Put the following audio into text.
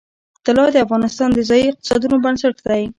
طلا د افغانستان د ځایي اقتصادونو بنسټ دی.